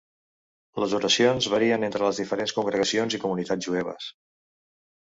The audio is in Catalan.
Les oracions varien entre les diferents congregacions i comunitats jueves.